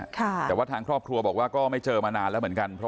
แต่ทางครอบครัวนายวีรพงศ์บอกว่าก็ไม่เจอก็มานานหลังแล้วเพราะคือ